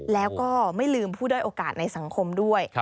แล้วก็ไม่ลืมผู้ด้อยโอกาสในสังคมด้วย